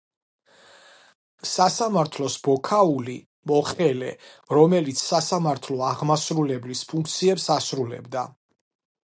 სასამართლოს ბოქაული, მოხელე, რომელიც სასამართლო აღმასრულებლის ფუნქციებს ასრულებდა.